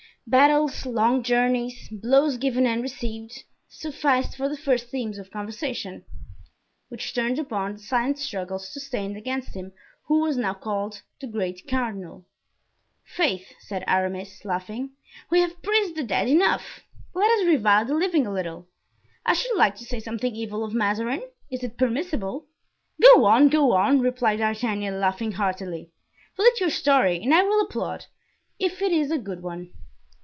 Battles, long journeys, blows given and received, sufficed for the first themes of conversation, which turned upon the silent struggles sustained against him who was now called the great cardinal. "Faith," said Aramis, laughing, "we have praised the dead enough, let us revile the living a little; I should like to say something evil of Mazarin; is it permissible?" "Go on, go on," replied D'Artagnan, laughing heartily; "relate your story and I will applaud it if it is a good one."